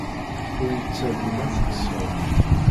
Ur yi-ttargu ma teṭṭseḍ.